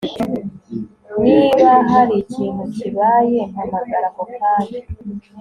Niba hari ikintu kibaye mpamagara ako kanya